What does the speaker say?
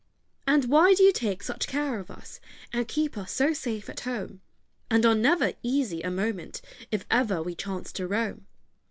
And why do you take such care of us, And keep us so safe at home, And are never easy a moment If ever we chance to roam?